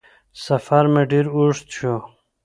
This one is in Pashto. سفر مې ډېر اوږد شو